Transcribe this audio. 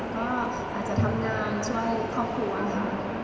ก็อาจจะทำงานช่วยครอบครัวค่ะ